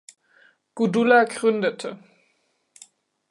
Gudula gründete.